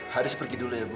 haris pergi dulu ya bu